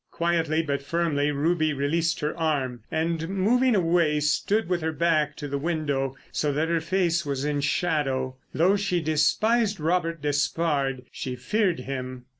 Quietly but firmly Ruby released her arm, and, moving away, stood with her back to the window so that her face was in shadow. Though she despised Robert Despard, she feared him.